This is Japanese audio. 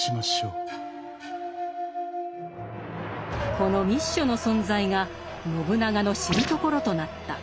この密書の存在が信長の知るところとなった。